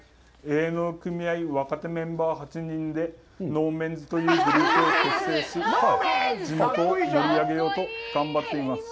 営農組合若手メンバー８人で農メンズというグループを結成し、地元を盛り上げようと頑張っています。